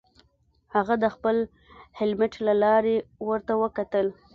هغه د خپل هیلمټ له لارې ورته وکتل